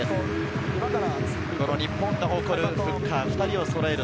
日本が誇るフッカー２人をそろえる